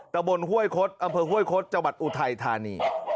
ตะบนห้วยคดอำเภอห้วยคดจังหวัดอุทัยธานี